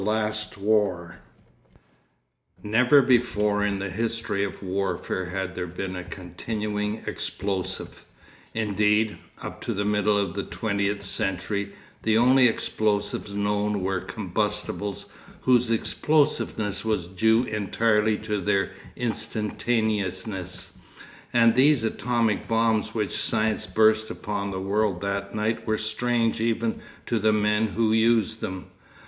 Section 4 Never before in the history of warfare had there been a continuing explosive; indeed, up to the middle of the twentieth century the only explosives known were combustibles whose explosiveness was due entirely to their instantaneousness; and these atomic bombs which science burst upon the world that night were strange even to the men who used them.